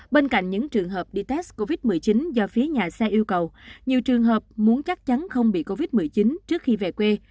bên cạnh những trường hợp đi test covid một mươi chín do phía nhà xe yêu cầu nhiều trường hợp muốn chắc chắn không bị covid một mươi chín trước khi về quê